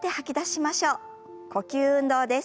呼吸運動です。